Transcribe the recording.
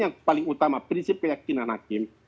yang paling utama prinsip keyakinan hakim